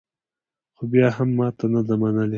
خو بیا یې هم ماته نه ده منلې